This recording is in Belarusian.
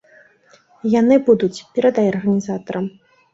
Яны будуць, перадай арганізатарам.